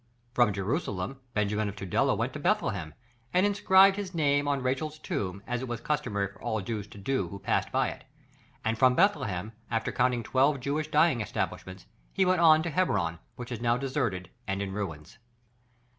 From Jerusalem, Benjamin of Tudela went to Bethlehem, and inscribed his name on Rachel's tomb, as it was customary for all Jews to do who passed by it; and from Bethlehem, after counting twelve Jewish dyeing establishments, he went on to Hebron, which is now deserted and in ruins.